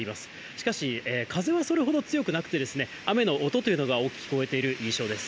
しかし、風はそれほど強くなくて、雨の音というのが聞こえている印象です。